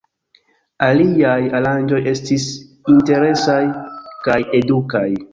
Aliaj aranĝoj estis interesaj kaj edukaj.